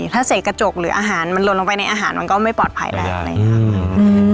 ถ้าเสกกระจกหรืออาหารมันลงลงไปในอาหารมันก็ไม่ปลอดภัยได้อืมอืม